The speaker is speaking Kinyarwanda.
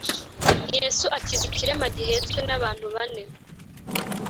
Yesu akiza ikirema gihetswe n abantu bane